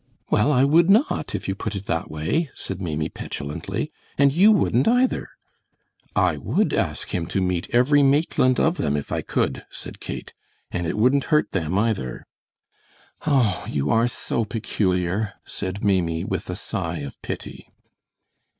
"Well, I would not, if you put it in that way," said Maimie, petulantly, "and you wouldn't either!" "I would ask him to meet every Maitland of them if I could," said Kate, "and it wouldn't hurt them either." "Oh, you are so peculiar," said Maimie, with a sigh of pity.